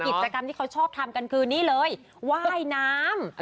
กิจกรรมที่เขาชอบทำกันคือนี่เลยว่ายน้ำ